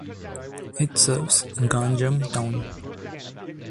It serves Ganjam town.